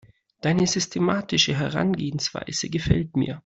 Deine systematische Herangehensweise gefällt mir.